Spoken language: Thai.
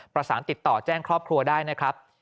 ประสานติดต่อแจ้งครอบครัวได้นะครับ